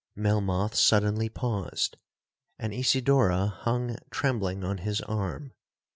Melmoth suddenly paused, and Isidora hung trembling on his arm.